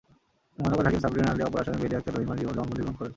মহানগর হাকিম সাবরিনা আলী অপর আসামি বেলী আক্তার রহিমার জবানবন্দি গ্রহণ করেন।